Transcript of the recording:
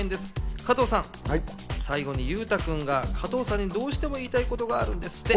加藤さん、最後に裕太君が加藤さんにどうしても言いたいことがあるんですって。